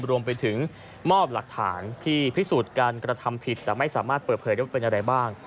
รวมไปถึงมอบหลักฐานที่พิสูจน์การกระทำผิดแต่ไม่สามารถเปิดเผยได้ว่าเป็นอะไรบ้าง